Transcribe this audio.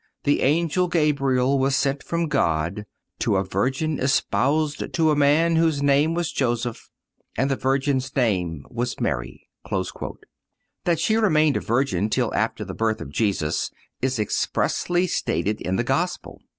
"The Angel Gabriel was sent from God ... to a Virgin espoused to a man whose name was Joseph, ... and the Virgin's name was Mary."(221) That she remained a Virgin till after the birth of Jesus is expressly stated in the Gospel.